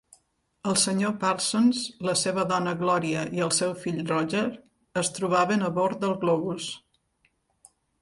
El senyor Parsons, la seva dona Gloria i el seu fill Roger es trobaven a bord del globus.